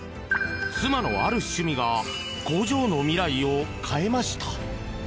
妻のある趣味が工場の未来を変えました。